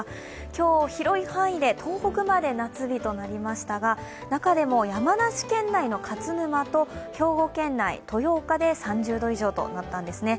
今日広い範囲で東北まで夏日となりましたが中でも山梨県内の勝沼と兵庫県内、豊岡で３０度以上となったんですね。